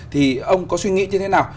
thì ông có suy nghĩ như thế nào